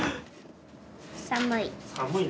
寒い。